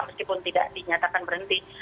meskipun tidak dinyatakan berhenti